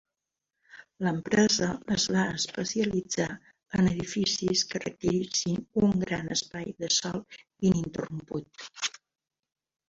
L'empresa es va especialitzar en edificis que requerissin un gran espai de sòl ininterromput.